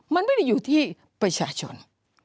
มันไม่ได้อยู่ที่ประชาชน